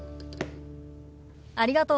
ありがとう。